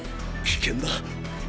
危険だ。